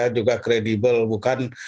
juga kredibel bukan